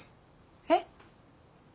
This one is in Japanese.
えっ？